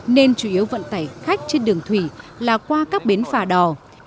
nên chủ yếu vận tải khách trên đường thủy là qua các bến phà đò